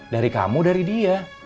dari kamu dari dia